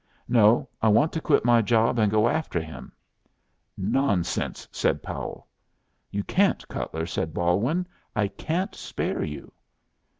"No. I want to quit my job and go after him." "Nonsense!" said Powell. "You can't, Cutler," said Balwin. "I can't spare you."